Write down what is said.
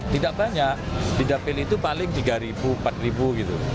tidak banyak tidak pilih itu paling tiga empat gitu